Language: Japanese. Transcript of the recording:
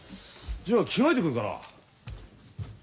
じゃあ着替えてくるかな。